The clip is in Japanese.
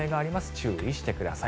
注意してください。